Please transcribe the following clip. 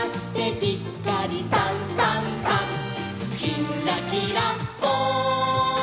「きんらきらぽん」